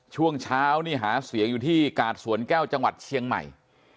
ช่วงเช้านี่หาเสียงอยู่ที่กาดสวนแก้วจังหวัดเชียงใหม่